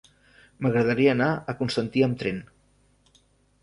M'agradaria anar a Constantí amb tren.